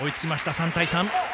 ３対３。